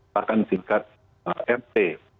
bahkan singkat rt